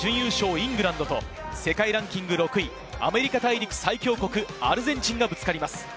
イングランドと世界ランキング６位アメリカ大陸最強国アルゼンチンがぶつかります。